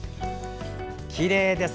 きれいです。